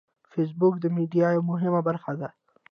فېسبوک د میډیا یوه مهمه برخه ده